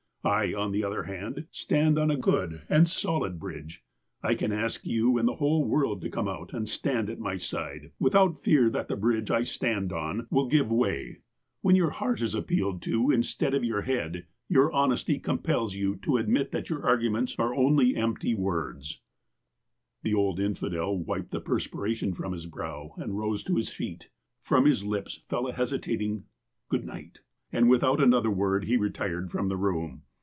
I, on the other hand, stand on a good and solid bridge. I can ask you and the whole world to come out and stand at my side without fear that the bridge I stand on will give 26 THE APOSTLE OF ALASKA way. When your heart is appealed to, instead of your head, your honesty compels you to admit that youi argu ments are only emjjty words." The old infidel wiped the perspiration from his brow and rose to his feet. From his lips fell a hesitating "Good night," and without another word he retired from the room.